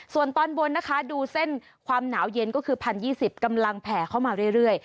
ส่วนตอนบนนะคะดูเส้นความหนาวเย็นก็คือ๑๐๒๐กำลังแผ่เข้ามาเรื่อย